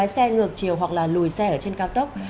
lái xe ngược chiều hoặc là lùi xe ở trên cao tốc